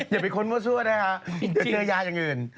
อย่าไปค้นตัวสั้นได้ฮะเจอยาอย่างอื่น